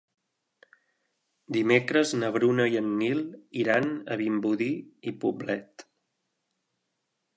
Dimecres na Bruna i en Nil iran a Vimbodí i Poblet.